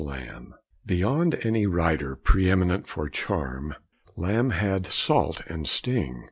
III Beyond any writer pre eminent for charm, Lamb had salt and sting.